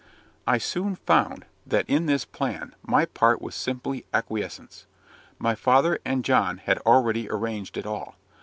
I soon found, that in this plan, my part was simply acquiescence; my father and John had already arranged it all.